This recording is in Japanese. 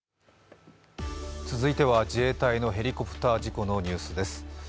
続いては自衛隊のヘリコプター事故のニュースです。